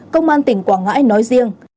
công an tỉnh quảng ngãi nói riêng